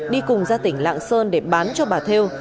đi cùng ra tỉnh lạng sơn để bán cho bà theo